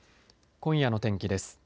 今夜の天気です。